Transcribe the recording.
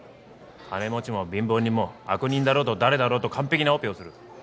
金持ちも貧乏人も悪人だろうと誰だろうと完璧なオペをする。